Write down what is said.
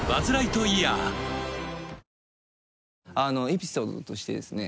エピソードとしてですね